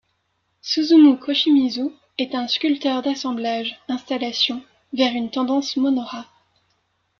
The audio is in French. Suzumu Koshimizu est un sculpteur d'assemblages, installations, vers une tendance Mono-ha.